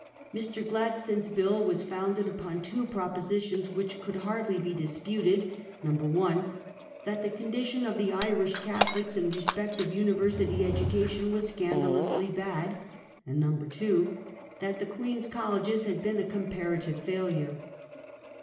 Mr. Gladstone's Bill was founded upon two propositions which Irish could hardly be disputed: (1) that the condition of the Irish Bj^J^^iSya^ Catholics in respect of University education was "scandalously bad "; and (2) that the Queen's Colleges had been a "comparative failure